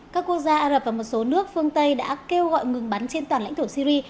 các quốc gia ả rập và một số nước phương tây đã kêu gọi ngừng bắn trên toàn lãnh thổ syri